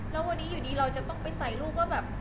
แล้ววันนี้อยู่ดีเราจะต้องไปใส่รูปว่าแบบ